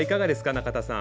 中田さん。